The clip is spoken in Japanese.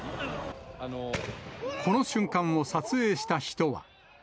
この瞬間を撮影した人は。